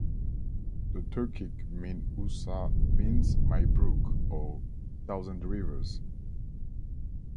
The Turkic "Min Usa" means "my brook", or "thousand rivers".